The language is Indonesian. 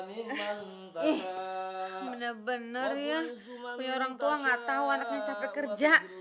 ih bener bener ya punya orang tua gak tau anaknya capek kerja